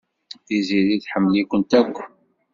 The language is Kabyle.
Tiziri tḥemmel-ikent akk.